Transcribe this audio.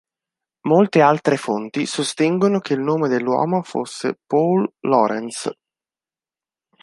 Molte altre fonti sostengono che il nome dell'uomo fosse Paul Lorenz.